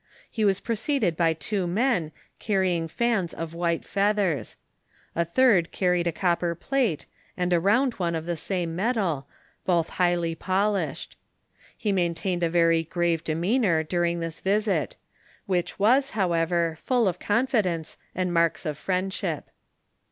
He was preceded by two men, carrying fans of white feathere. A third carried a cop per plate, and a round one of the same metal, both highly polished. He maintained a very grave demeanor during this visit, which was, however, full of confidence and marks of friendship.